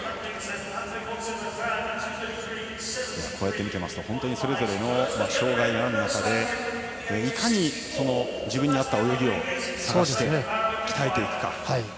こうして見ているとそれぞれの障がいがある中いかに自分に合った泳ぎを鍛えていくか。